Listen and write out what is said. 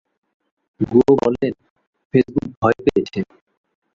গুয়ো বলেন, ফেসবুক ভয় পেয়েছে।